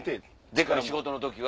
でかい仕事の時は。